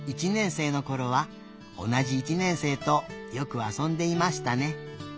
「１年生のころは同じ１年生とよく遊んでいましたね。